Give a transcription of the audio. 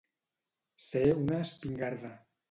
Ser una espingarda.